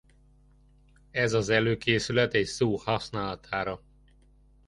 Ez az előkészület egy szó használatára.